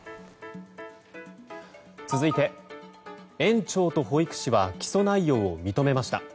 続いて園長と保育士は起訴内容を認めました。